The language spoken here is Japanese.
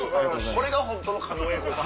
これがホントの狩野英孝さん。